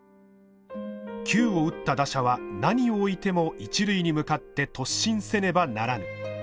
「球を打った打者は何をおいても一塁に向かって突進せねばならぬ」。